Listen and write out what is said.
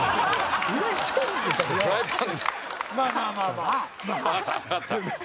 まあまあまあまあ。